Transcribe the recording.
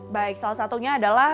baik salah satunya adalah